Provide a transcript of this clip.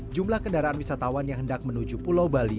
jumlah kendaraan wisatawan yang hendak menuju pulau bali